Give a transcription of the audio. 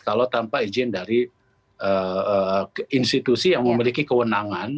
kalau tanpa izin dari institusi yang memiliki kewenangan